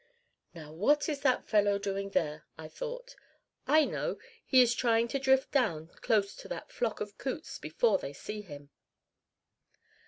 "Now what is that fellow doing there?" I thought. "I know! He is trying to drift down close to that flock of coots before they see him."